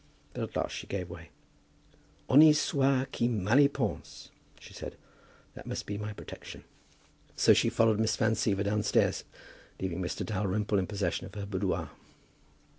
But at last she gave way. "Honi soit qui mal y pense," she said; "that must be my protection." So she followed Miss Van Siever downstairs, leaving Mr. Dalrymple in possession of her boudoir.